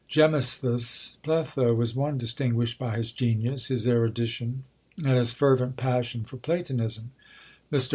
Gemisthus Pletho was one distinguished by his genius, his erudition, and his fervent passion for platonism. Mr.